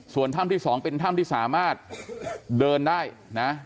ส่วนถ้ำที่๒เป็นถ้ำที่สามารถเดินได้นะ